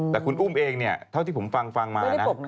แต่คุณอุ้มเองเนี่ยเท่าที่ผมฟังมานะ